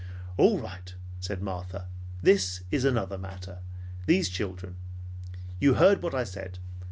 "All right," said Martha. "This is another matter; these children. You heard what I said.